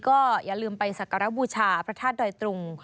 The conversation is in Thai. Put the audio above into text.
ก็อย่าลืมไปสักการะบูชาพระธาตุดอยตุง